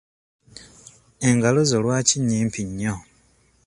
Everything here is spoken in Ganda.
Engalo zo lwaki nnyimpi nnyo?